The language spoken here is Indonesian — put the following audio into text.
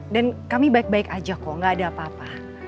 dan kami baik baik aja kok gak ada apa apa